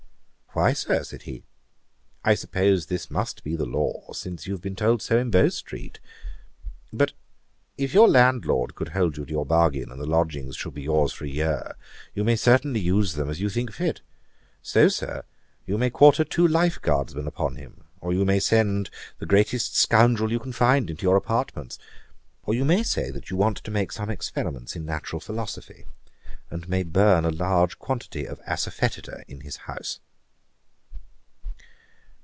'Why, Sir, (said he,) I suppose this must be the law, since you have been told so in Bow street. But, if your landlord could hold you to your bargain, and the lodgings should be yours for a year, you may certainly use them as you think fit. So, Sir, you may quarter two life guardsmen upon him; or you may send the greatest scoundrel you can find into your apartments; or you may say that you want to make some experiments in natural philosophy, and may burn a large quantity of assafoetida in his house.'